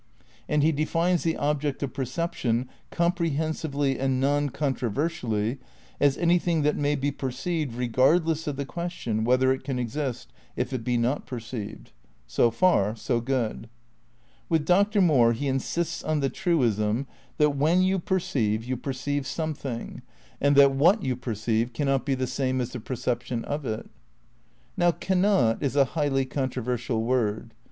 And he defines the object of percep tion comprehensively and non controversially as "any thing that may be perceived regardless of the question whether it can exist if it be not perceived." ^ So far, so good. With Dr. Moore he insists on "the truism that when you perceive you perceive something, and that what * Perception, Physics and Beality, p. 7. 52 THE NEW IDEALISM m you perceive cannot be the same as the perception of it."i Now "cannot" is a highly controversial word.